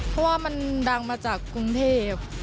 เพราะว่ามันดังมาจากกรุงเทพ